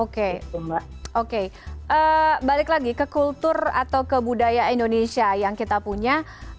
oke balik lagi ke kultur atau ke budaya indonesia yang kita punya